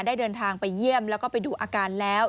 ได้เดินทางไปเยี่ยมแล้วก็ไปดูอาการแล้ว